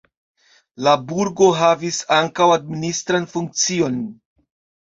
La burgo havis ankaŭ administran funkcion.